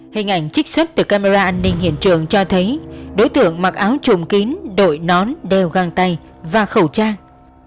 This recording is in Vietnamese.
hình ảnh trích xuất từ camera an ninh hiện trường cho thấy đối tượng mặc áo chùm kín đội nón đều găng tay và khẩu trang